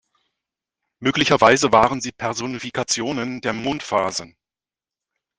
Möglicherweise waren sie Personifikationen der Mondphasen.